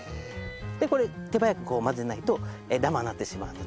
でこれ手早くこう混ぜないとダマになってしまうので。